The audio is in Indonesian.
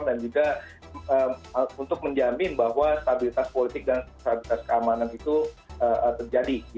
dan juga untuk menjamin bahwa stabilitas politik dan stabilitas keamanan itu terjadi